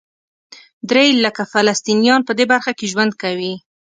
درې لکه فلسطینیان په دې برخه کې ژوند کوي.